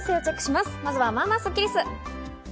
まずは、まあまあスッキりす。